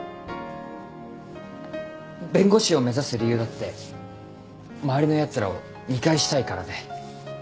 弁護士を目指す理由だって周りのやつらを見返したいからで。